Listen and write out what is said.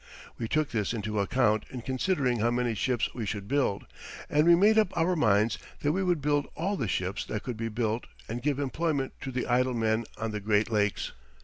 We took this into account in considering how many ships we should build, and we made up our minds that we would build all the ships that could be built and give employment to the idle men on the Great Lakes.